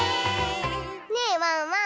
ねえワンワン